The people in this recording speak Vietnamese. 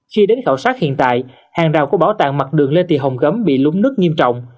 khi đến khảo sát hiện tại hàng rào của bảo tàng mặt đường lê thị hồng gấm bị lúng nứt nghiêm trọng